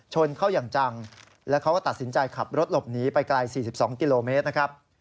ชนเข้าอย่างจังแล้วเขาก็ตัดสินใจขับรถหลบหนีไปไกล๔๒กิโลเมตรนะครับ